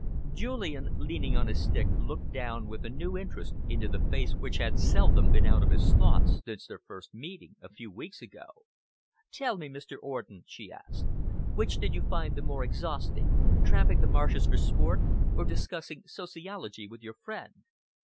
Julian, leaning on his stick, looked down with a new interest into the face which had seldom been out of his thoughts since their first meeting, a few weeks ago. "Tell me, Mr. Orden," she asked, "which did you find the more exhausting tramping the marshes for sport, or discussing sociology with your friend?"